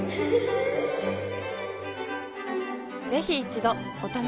ぜひ一度お試しを。